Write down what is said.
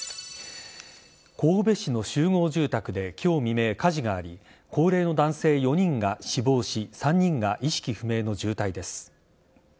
神戸市の集合住宅で今日未明、火事があり高齢の男性４人が死亡し３人が意識不明の重体です。